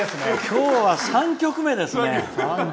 今日は３曲目ですね。